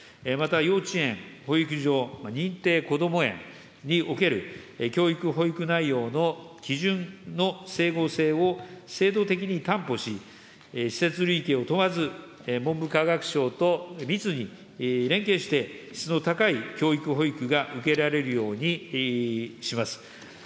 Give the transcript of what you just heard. また、幼稚園、保育所、認定こども園における教育・保育内容の基準の整合性を制度的に担保し、施設類型を問わず、文部科学省と密に連携して、質の高い教育・保育が受けられるようにします。